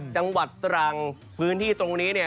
จังหวัดตรังพื้นที่ตรงนี้เนี่ย